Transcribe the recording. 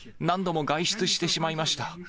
何度も外出してしまいました。